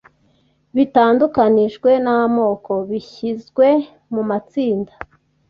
Bitandukanijwe n'amoko Bishyizwe mu matsinda